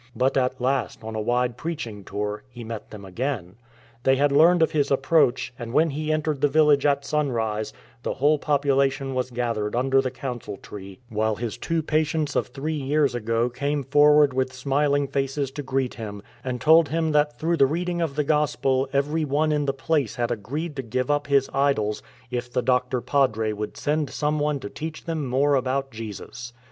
But at last on a wide preaching tour he met them again. They had learned of his approach, and when he entered the village at sunrise the whole population was gathered under the " Council tree," while his two patients of three years ago came forward with smiling faces to greet him, and told him that through the reading of the Gospel every one in the place had agreed to give up his idols if the Doctor 36 THE VILLAGE SWAMI Padre would send some one to teach them more about Jesus.